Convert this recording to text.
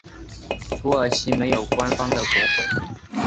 土耳其没有官方的国徽。